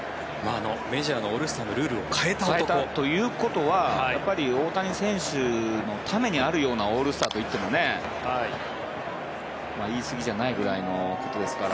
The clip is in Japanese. メジャーのオールスターのルールを変えた男。ということは大谷選手のためにあるようなオールスターといってもいいすぎじゃないぐらいのことですから。